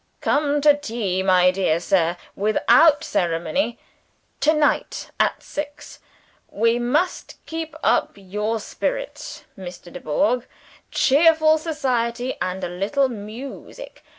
"Come to tea, my dear sir. Without ceremony. To night at six. We must keep up your spirits, Mr. Dubourg. Cheerful society, and a little music.